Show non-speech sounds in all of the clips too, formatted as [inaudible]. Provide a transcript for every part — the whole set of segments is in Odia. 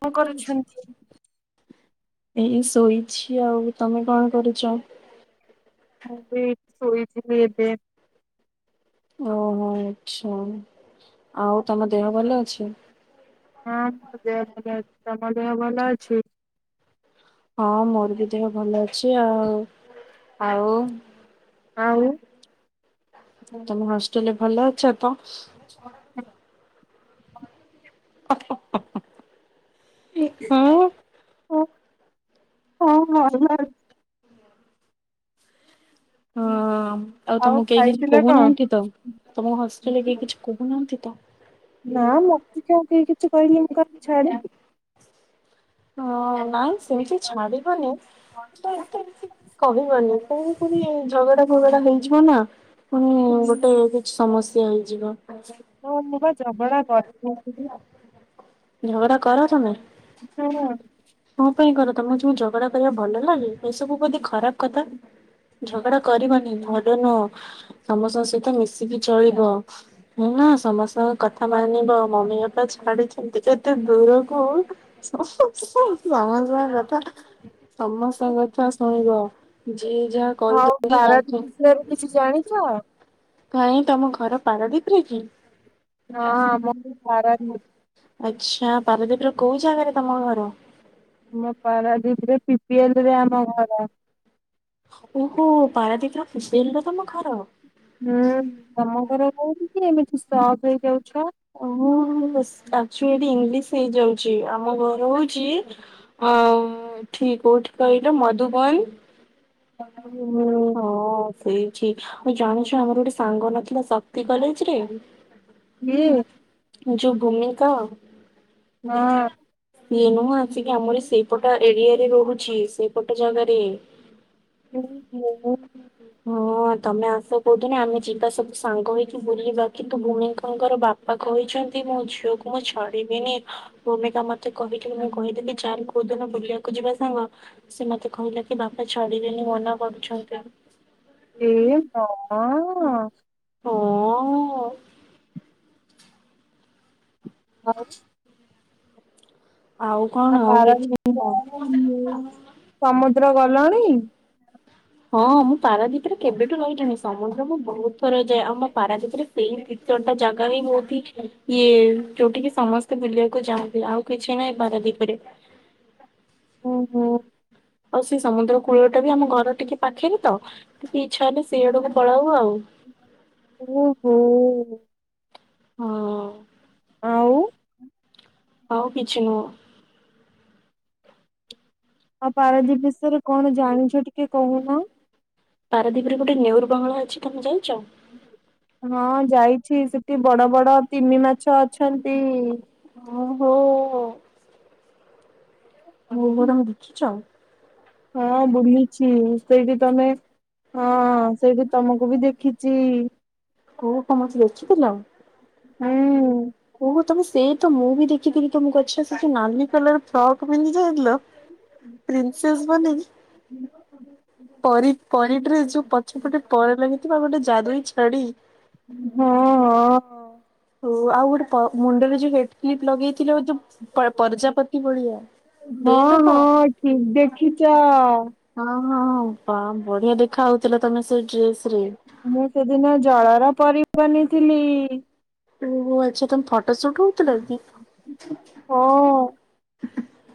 କଣ କରୁଛି? ଏଇ ଶୋଇଛି ଆଉ ତମେ କଣ କରୁଛ? ମୁଁ ବି ଶୋଇଥିଲି ଏବେ ଓହୋ ଆଚ୍ଛା ଆଉ ତମ ଦେହ ଭଲ ଅଛି? ହଁ ମୋ ଦେହ ଭଲ ଅଛି ତମ ଦେହ ଭଲ ଅଛି? ହଁ ମୋର ବି ଦେହ ଭଲ ଅଛି ଆଉ ଆଉ ଆଉ ତମେ ହଷ୍ଟେଲରେ ଭଲ ଅଛି ଅପା? [unintelligible] [unintelligible] ହୁଁ। କଣ କରିବା ଆଉ? ହଁ। ଆଉ ତମକୁ କେହି କିଛି ଖାଇଥିଲ କଣ? କହୁନାହାନ୍ତି ତ ତମ ହଷ୍ଟେଲରେ କେହି କିଛି କହୁନାହାନ୍ତି ତ? ନାଁ ମତେ କଣ କେହି କିଛି କହିଲେ ମୁଁ କଣ ଛାଡ଼େ। ହଁ ନାଇଁ ସେମିତି ଛାଡ଼ିବନି [unintelligible] [unintelligible] ପୁଣି ଝଗଡ଼ା ଫଗଡ଼ା ହେଇଯିବ ନା ପୁଣି ଗୋଟେ ସମସ୍ୟା ହେଇଯିବ। ହଁ ମୁଁ ବା ଝଗଡା କରି ଝଗଡ଼ା କର ତମେ? କଣ ପାଇଁ କର ତମକୁ ଜଣ ଝଗଡ଼ା କରିବା କୁ ଭଲ ଲାଗେ ଏସବୁ ବୋଧେ ଖରାପ୍ କଥା? ଝଗଡା କରିବନି ଭଲ ନୁହଁ ସମସ୍ତଙ୍କ ସହିତ ମିଶିକି ଚଳିବ। ହୁଁ ନା ସମସ୍ତଙ୍କ କଥା ମାନିବ ମମି ବାପା ଛାଡିଛନ୍ତି କେତେ ଦୂରକୁ। [unintelligible] ବାହାପିଆ କଥା। ସମସ୍ତଙ୍କ କଥା ଶୁଣିବା ଯିଏ ଯାହା। ହଉ କହିଛନ୍ତି ପାରାଦୀପ ତାଙ୍କୁ ବିଷୟରେ କିଛି ଜାଣିଛ? [unintelligible] ହଁ କାଇଁ ତମ ଘର ପାରଦିପରେ କି? ଆମ ପାରାଦୀପ ଆଚ୍ଛା ପାରଦୀପର କୋଉ ଜାଗାରେ ତମ ଘର? ମୁଁ ପରାଦିପରେ ପିପିଏଲରେ ଆମ ଘର। ଓହୋ ପାରାଦୀପର ପିପିଏଲରେ ତମ ଘର। ହୁଁ ତମ ଘର କୋଉଠୀ କି ଏମିତି ସ୍ତବ ହେଇଯାଉଛ? ମୁଁ ଏସ ଆକ୍ଚୁଆଲି ଇଂଲିଶ ହେଇଯାଉଛି ଆମ ଘର ହଉଛି। ହଁ ଏଠି କୋଉଠି କହିଲ ମଧୁବନ। ହୁଁ ହୁଁ। ହଁ ସେଇଠି ଆଉ ଜାଣିଛ ଆମର ଗୋଟେ ସାଙ୍ଗ ନଥିଲା ଶକ୍ତି କଲେଜରେ? କିଏ? ଯୋଉ ଭୂମିକା। ହଁ ଇଏ ନୁହଁ ଆସିକି ଆମରି ସେଇପଟ ଏରିଆରେ ରହୁଛି ସେଇପଟ ଜାଗାରେ। ତୁ [inaudible] ହଁ ତମେ ଆସ କୋଉଦନି ଆମେ ଯିବା ସବୁ ସାଙ୍ଗହେଇକି ବୁଲିବାକି। ତୋ ଭୁଣୀଙ୍କଙ୍କର ବାପା କହିଛନ୍ତି ମୋ ଝିଅକୁ ମୁଁ ଛାଡିବିନି। ଭୂମିକା ମତେ କହିଥିଲା ମୁଁ କହିଦେଲି ଚାଲ କୋଉ ଦିନ ବୁଲିବାକୁ ଯିବା ସାଙ୍ଗ। ସେ ମତେ କହିଲା କି ବାପା ଛାଡିବେନି ମନା କରୁଛନ୍ତି। ଏ ମା ହଁ। ଆଉ। ଆଉ ଆ କଣ ଆଉ ପାରା [unintelligible] ସମୁଦ୍ର ଗଲଣି? [unintelligible] ହଁ ମୁଁ ପାରାଦ୍ବୀପରେ କେବେଠୁ ରହିିଲିଣି ସମୁଦ୍ର ମୁଁ ବହୁତ ଥର ଯାଏ ଆଉ ମୋ ପାରାଦ୍ବିପରେ। ସେଇ ଦି ଚାରଟା ଜାଗା ହିଁ ବହୁଉଠି ଇଏ ଯୋଉଠିକି ସମସ୍ତେ ବୁଲିବାକୁ ଯାଉନ୍ତି ଆଉ। କିଛି ନାଇଁ ପାରାଦ୍ୱୀପରେ। ଓହୋ। ଆଉ ସେ ସମୁଦ୍ର କୂଳଟା ବି ଆମ ଘର ଟିକେ ପାଖରେ ତ ଟିକେ ଇଚ୍ଛା ହେଲେ ସେଇ ଆଡକୁ ପଳାଉ ଆଉ। ଓହୋ। ହଁ। ଆଉ। ଆଉ କିଛି ନୁହଁ। ଆଉ ପାରାଦ୍ୱୀପ ବିଷୟରେ କଣ ଜାଣିଛ ଟିକେ କହୁନ? ପାରାଦ୍ବୀପରେ ଗୋଟେ ନେଉରୁ ବଙ୍ଗଳା ଅଛି ତମେ ଯାଇଚ? ହଁ ଯାଇଛି ସେଠି ବଡ ବଡ ତିମି ମାଛ ଅଛନ୍ତି। ହଁ ହୋ। ହଉ ବରଂ ଦେଖିଚ? ହଁ ବୁଲିଛି ସେଇଠି ତମେ। ହଁ ସେଇଠେ ତମକୁ ବି ଦେଖିଚି। କୋଉ ତମ ମତେ ଦେଖିଥିଲ [unintelligible] ହୁଁ। କୋଉ କ ତମ ସେଇ ତ ମୁଁ ବି ଦେଖିଥିଲି ତୁମକୁ ଆଚ୍ଛା ସେଠି ନାଲି କଲର ଫ୍ରକ୍ ତମେ ପିନ୍ଧି ନ ଥିଲ। ପ୍ରିନ୍ସସେ ବନି ପରି ପରି ଡ୍ରେସ ଯୋଉଁ ପଛପଟେ ପର ଲାଗିଥିବ ଆଉ ଗୋଟେ ଯାଦୁଇ ଛଡି ହଁ ଅଁ ହୋ ଆଉ ଗୋଟେ ପର ମୁଣ୍ଡରେ ଯୋଉଁ ହେଡ କ୍ୱିଳ୍ପୀ ଲଗେଇଥିଲ ଯୋଉଁ ପ୍ର ପ୍ରଜାପତି ଭଳିଆ ହଁ ସେଇଟା ତ ହଁ ଠିକ ଦେଖିଛ। ହଁ ହଁ ହଁ ପା ବଢିଆ ଦେଖା ହଉଥିଲ ତମେ ସେ ଡ୍ରେସ ରେ। ମୁଁ ସେଦିନ ଜଳର ପରି ବନିଥିଲି। ଓ ହୋ ଆଚ୍ଛା ତମ ଫଟୋ ସୁଟ ହଉଥିଲା କି? ହଁ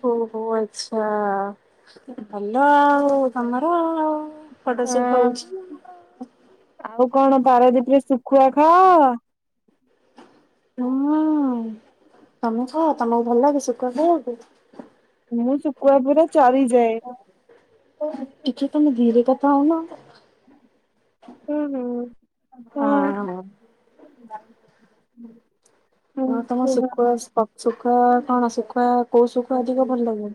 ଓ ହୋ ଆଚ୍ଛା। ଭଲ ଆଉଁ ତମର ଫଟୋ ସୁଟ ହଁ ହଉଛି ଆଉ। ଆଉ କଣ ପାରାଦୀପରେ ଶୁଖୁଆ ଖାଅ? ହଁ। ତମକୁ ତମକୁ ଭଲ ଲାଗେ ଶୁଖୁଆ ଖାଇବା ପାଇଁ। ମୁଁ ଶୁଖୁଆ ପୁରା ଚରିଯାଏ। ଓ ଆଚ୍ଛା ତମେ ଧିୀରେ କଥା ହଉନ। ଓ ହୋ ହଁ ହୁଁ ହଁ ତମ କୁହ ଶୁଖୁଆ ସଁ ସକ ଶୁଖା କଣ ଶୁଖୁଆ କୋଉଁ ଶୁଖୁଆ ଅଧିକ ଭଲ ଲାଗେ?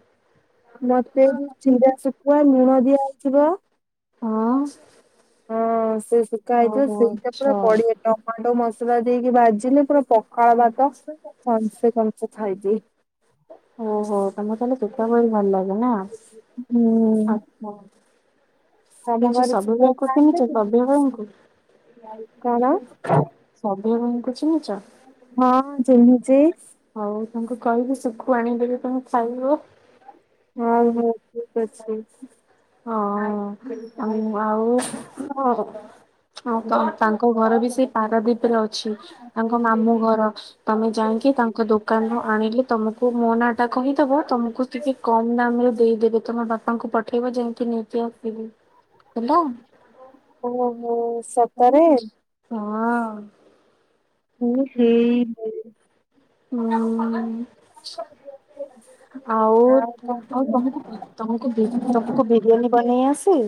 ମୋତେ ଯୋଉଁ ଚିରା ଶୁଖୁଆ ଲୁଣ ଦିଆହେଇଥିବ। ହଁ ହଁ ସେ ଶୁଖା ହେଇଥିବ। ଓହୋ ସେଇଟା ପୁରା ଆଚ୍ଛା ବଢିଆ ଟମାଟୋ ମସଲା ଦେଇକି ଭାଜିଲେ ପୁରା ପ ପଖାଳ ଭାତକଂସେ କଂସେ ଖାଇଯିବୁ। ଓ ହୋ ତମକୁ ତାହେଲେ ଶୁଖୁଆ ବହୁତ ଭଲ ଲାଗେ ନାଁ। ହୁଁ ଆଚ୍ଛା। ଏଇ ତମ ଯୋଉଁ ଘରେ ସବ୍ୟ ଶୁଖୁଆ ଭାଇ କୁ ଚିନୀହିଁଛ ଖାଆନ୍ତିନି ସବ୍ୟ ଭାଇଙ୍କୁ କଣ? ସବ୍ୟ ଭାଇଙ୍କୁ ଚିନୀହିଁଛ? ହଁ ହଁ ଚିନୀହିଁଛି। ହଉ ହଉ ତାଙ୍କୁ କହିବି ଶୁଖୁଆ ଆଣିଦେବି ତମେକୁ। ହ୍ୟାଲୋ ହଁ ଆଉ ହଉ ଠିକ ଅଛି। ଅଁ ଉଁ ଆଉ ତମେ କଣ କରୁଛ? ହଉ ତଂ ତାଙ୍କ ଘର ବି ସେଇ ପାରାଦୀପରେ ଅଛି। ତାଙ୍କ ମାମୁଁ ଘର। ତମେ ଯାଇକି ତାଙ୍କ ଦୋକାନରୁ ଆଣିଲି ତମକୁ ଙ୍କୁ ମୋ ନାଁ ଟା କହିଦବ ତମକୁ ଟିକେ କମ୍ ଦାମ ରେ ଦେଇଦେବେ ତମ ବାପାଙ୍କୁ ପଠେଇବ ଯେମିତି ସେ ଆସିବେ ହେଲା ଓହୋ ସତରେ ତରକାରୀ ହଁ। ଇଲୋ ହେଇଁ ଲୋ ହୁଁ। ମୁଁ ତାକୁ ପଚାରିବି [inaudible] ଆଉଁ ଆଉ କଣ ତମକୁ ଆଉ ତମକୁ ବିରିୟା ତମକୁ ବିରିୟାନୀ ବନେଇ ଆସେ?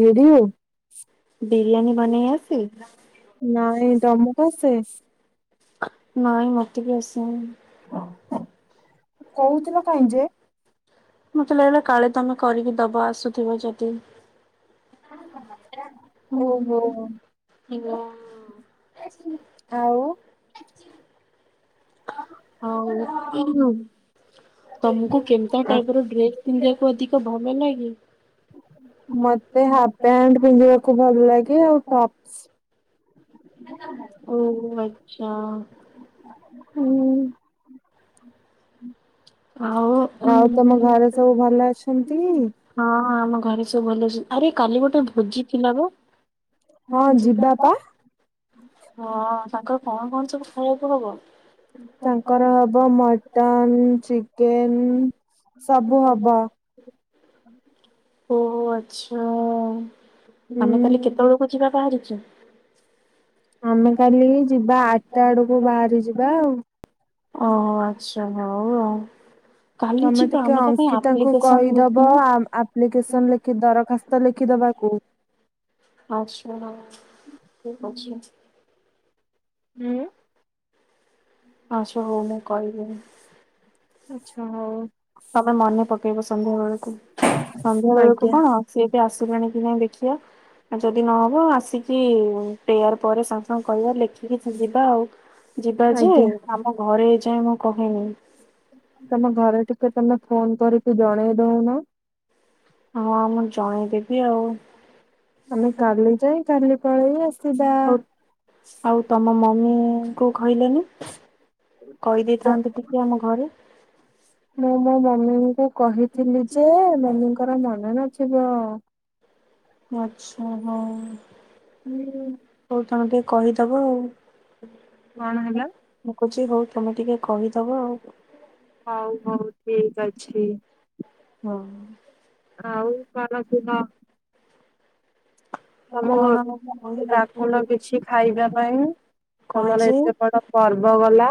ଭିଡିଓ ବିରିୟାନୀ ବନେଇ ଆସେ ନାଇଁ ତମକୁ ଆସେ? ନାଇଁ ମୋତେ ବି ଅସେନି? କହୁଥିଲ କାହିଁ ଯେ? ମୋତେ ଲାଗିଲା କାଳେ ତମେ କରିକି ଦବ ଆସୁଥିବ ଯଦି ଓ ହୋ ଅଛି୍ମି ଆଉ। ହଉ। ତମକୁ କେମିତିଆ ଟାଇପ ର ଡ୍ରେସ ପିନ୍ଧିବାକୁ ଅଧିକ ଭଲ ଲାଗେ? ମତେ ହାଫ ପ୍ୟାଣ୍ଟ ପିନ୍ଧିବାକୁ ଭଲ ଲାଗେ ଆଉ ସା ଓ ଆଚ୍ଛା। ହୁଁ। ଆଉ ଉଁ ଆଉ ତମ [inaudible] ଘରେ ସବୁ ଭଲ ଅଛନ୍ତି? ହୁଁ। ହଁ ଆମ ଘରେ ସବୁ ଭଲ ଅଛ ଆରେ କାଲି ଗୋଟେ ଭୋଜି ଥିଲା ପା। ହଁ ଯିବା ପା। ହଁ ତାଙ୍କର କଣ କଣ ସବୁ ଖାଇବାକୁ ହବ? ତାଙ୍କର ହବ ମଟନ ଚି କେନ ସବୁ ହବ। ଓହୋ ଆଚ୍ଛା। ଆମେ କାଲି ହୁଁ। କେତେବେଳକୁ ଯିବା ବାହାରିକି? ଆମେ କାଲି ଯିବା ଆଟା ଆଡକୁ ବାହାରି ଯିବା ଆଉ। ଓହୋ ଆଚ୍ଛା ହଉ ଆଉ। କାଲି ତମେ ଯିବା ଟିକେ ଆମେ ତା ପାଇଁ ଅଙ୍କିତାଙ୍କୁ ଆପ୍ଲିକେସନ କହିଦବ ଲେଖିନୁ ଆ-ଆପ୍ଲିକେସନ ଲେଖି ଦରଖାସ୍ ତ ଲେଖିଦବାକୁ। ଆଚ୍ଛା ହଉ ଠିକ ଅଛି। ହୁଁ ଉଁ। ଆଚ୍ଛା ହଉ ମୁଁ କହିବି। ଆଚ୍ଛା ହଉ। ତମେ ମନେ ପକେଇବ ସନ୍ଧ୍ୟା ବେଳକୁ ସନ୍ଧ୍ୟା ବେଳକୁ ଆଜ୍ଞା କଣ। ସିଏ ଏବେ ଆସିଲାଣି କି ନାଇଁ ଦେଖିବା। ଆ ଯଦି ନହବ ଆସିକି ପେୟାର ପରେ ସାଙ୍ଗ ସାଙ୍ଗ କହିବା ଲେଖିକି ଯି ଯିବା ଆଉ। ଯିବା ଯେ ଆଜ୍ଞା ଆମ ଘରେ ଏ ଯାଏଁ ମୁଁ କହିନି। ତମ ଘରେ ଟିକେ ତମେ ଫୋନ କରିକି ଜଣେଇ ଦଉନ। ହଁ ମୁଁ ଜଣେଇଦେବି ଆଉ। ଆମେ କାଲି ଯାଇ କାଲି ପଳେଇ ଆସିବା। ଆଉ ଆଉ ତମ ମମି ଙ୍କୁ କହିଲନି ତ କହିଦେଇଥାନ୍ତୁ ଟି ଯେ ଆମ ଘରେ। ମୁଁ ମୋ ମମିଙ୍କୁ କହିଥିଲି ଯେ ମମିଙ୍କର ମନେ ନଥିବ। ଆଚ୍ଛା ହଉ। ହୁଁ ହଉ ତମେ ଟିକେ କହିଦବ ଆଉ। କଣ ହେଲା ମୁଁ କହୁଛି ହଉ ତମେ ଟିକେ କହିଦବ ଆଉ। ହଉ ହଉ ଠିକ ଅଛି। ହଁ। ଆଉ [unintelligible] ତମ କଣ ଘରକୁ ତ କହି ମତେ ଡାକିଲା ଡାକୁନ କିଛି ଖାଇବା ବୋଲି? ପାଇଁ। କଣ ତମର ଯେ ଏତେ ବଡ ପର୍ବ ଗଲା।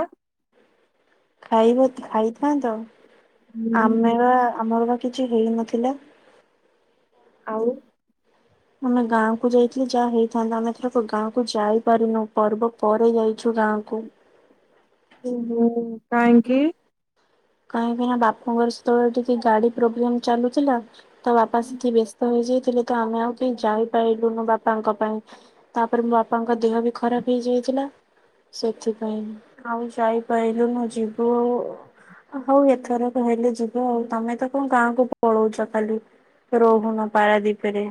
ଖାଇବା ଖାଇଥାନ୍ତ ହୁଁ। ଆମେ ବା ଆମର ବା। କିଛି ହେଇନଥିଲା। ଆଉ। ଆମେ ଗାଁ କୁ ଯାଇଥିଲେ ଯାହା ହେଇଥାନ୍ତା। ଆମେ ଏଥରକ ଗାଁ କୁ ଯାଇପାରିନୁ ପର୍ବ ପରେ ଯାଇଛୁ ଗାଁ କୁ। ଓହୋ। କାହିଁକି? କାହିଁକିନା ବାପାଙ୍କର ସେତେବେଳେ ଟିକେ ଗାଡି ପ୍ରୋବ୍ଲେମ୍ ଚାଲୁଥିଲା। ତ ବାପା ସେଠି ବ୍ୟସ୍ତ ହେଇଯାଇଥିଲେ ତ ଆମେ ଆଉ କେହି ଯାଇପାରିଲୁନୁ ବାପାଙ୍କ ପାଇଁ। ତାପରେ ମୋ ବାପାଙ୍କ ଦେହ ବି ଖରାପ ହେଇଯାଇଥିଲା। ସେଥିପାଇଁ ଆଉ ଯାଇପାରିଲୁନୁ ଯିବୁ ହଉ ଏଥର କହିଲେ ଯିବା ଆଉ ତମେ ତ କଣ ଗାଁକୁ ପଳଉଛ ଖାଲି। ରହୁନ ପାରାଦୀପିରେ।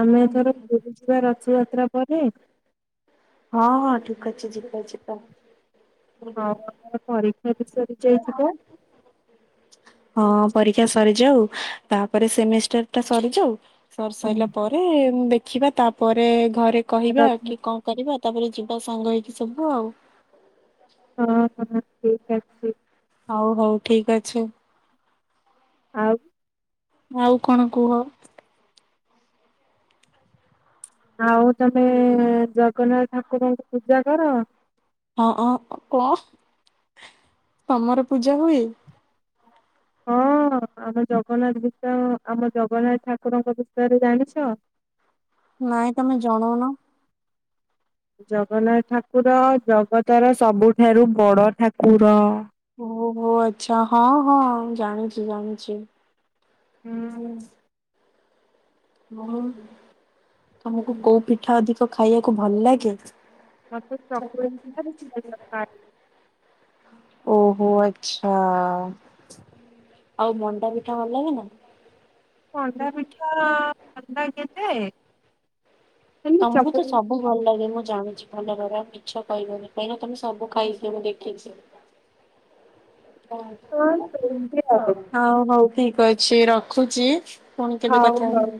ଆମେ ଏଥର ପୁରୀ ଯିବା ରଥ ଯାତ୍ରା ପରେ? ହଁଁ, ହଁ ଠିକ୍ ଅଛି ଯିବା ଯିବା। ହଁ ପରୀକ୍ଷା ବି ସରି ଯାଇଥିବ। [unintelligible] ହଁ ପରୀକ୍ଷା ସରିଯାଉ, ତାପରେ ସେମିଷ୍ଟରଟା ସରିଯାଉ ସର୍ ହୁଁ। ସାରିଲା ପରେ ଦେଖିବା ତାପରେ ଘରେ କହିବା କି କ କରିବା ତାପରେ ଯିବା ସାଙ୍ଗ ହେଇକି ସବୁ ଆଉ। ହଁ, ହଁ ଠିକ୍ ଅ ହଉ ହଉ ଠିକ୍ ଅଛେ। ଆଉ ଆଉ କଣ କୁହ? ଆଉ ତମେ ଜଗନ୍ନାଥ ଠାକୁରଙ୍କୁ ପୂଜା କର? ହଁ, ହଁ କଣ ତମର ପୂଜା ହୁଏ? ହଁ ଆମ ଜଗନ୍ନାଥ ବିଷୟ ଆମ ଜଗନ୍ନାଥ ଠାକୁରଙ୍କ ବିଷୟରେ ଜାଣିଛ? ନାଇଁ ତମେ ଜଣଉନ। ଜଗନ୍ନାଥ ଠାକୁର ଜଗତର ସବୁଠାରୁ ବଡ ଠାକୁର। ଓହୋ ଆଛା ହଁ, ହଁ ଜାଣିଚି ଜାଣିଚି। ହୁଁ [unintelligible] ହୁଁ ତମକୁ କୋଉ ପିଠା ଅଧିକ ଖାଇବାକୁ ଭଲ ଲାଗେ? ମତେ ଚକୁଳି ପିଠା ଚିକେନ [unintelligible] ତରକାରୀ ଓହୋ ଆଚ୍ଛା। ଆଉ ମଣ୍ଡା ପିଠା ଭଲ ଲାଗେ ନା? ମଣ୍ଡା ପିଠା ଭଲ ଲାଗେଯେ ତମକୁ ତ ସ ସବୁ ଭଲ ଲାଗେ ମୁଁ ଜାଣିଛି ଭଲ ମିଛ କହିବନି କାହିଁକ ନା ତମେ ସବୁ ଖାଇସି ମୁଁ ଦେଖିଛି। ପିଠା ଆଉ [inaudible] ହଉ ହଉ ଠିକ୍ ଅଛି ରଖୁଛି। ଫୁଣି କେବେ ହଉ କଥା ହଉ। ହେ